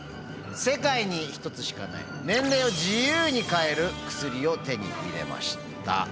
世界に一つしかない年齢を自由に変える薬を手に入れました。